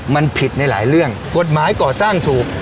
มันผิดในหลายเรื่องกฎหมายก่อสร้างถูก